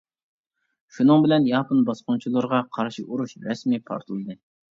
شۇنىڭ بىلەن ياپون باسقۇنچىلىرىغا قارشى ئۇرۇش رەسمىي پارتلىدى.